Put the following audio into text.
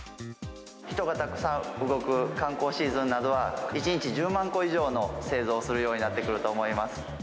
人がたくさん動く観光シーズンなどは、１日１０万個以上の製造するようになってくると思います。